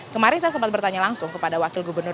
kemarin saya sempat bertanya langsung kepada wakil gubernur